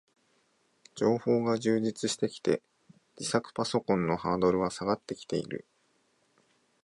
情報が充実してきて、自作パソコンのハードルは下がってきている